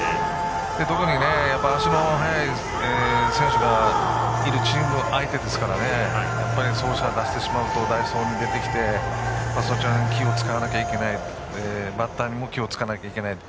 特に足の速い選手がいるチームが相手ですから走者を出してしまうと代走が出てきてそちらに気を使わなければいけないバッターにも気を使わなきゃいけない。